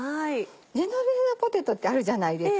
ジェノベーゼポテトってあるじゃないですか。